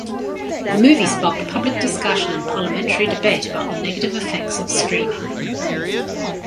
The movie sparked public discussion and parliamentary debate about the negative effects of streaming.